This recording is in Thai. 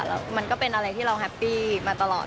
แล้วมันก็เป็นอะไรที่เราแฮปปี้มาตลอด